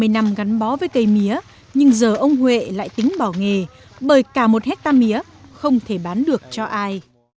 nằm gắn bó với cây mía nhưng giờ ông huệ lại tính bỏ nghề bởi cả một hectare mía không thể bán được cho ai